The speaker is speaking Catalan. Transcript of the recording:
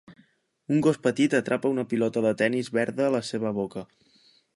Un gos petit atrapa una pilota de tennis verda a la seva boca